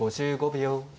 ５５秒。